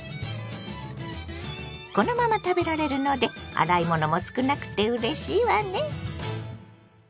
このまま食べられるので洗い物も少なくてうれしいわね。